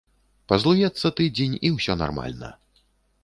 Пазлуецца тыдзень, і ўсё нармальна.